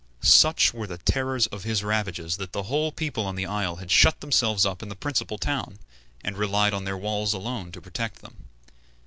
Such were the terrors of his ravages that the whole people of the isle had shut themselves up in the principal town, and relied on their walls alone to protect them.